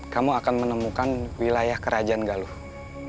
kamu akan menemukan wilayah kerajaan galuh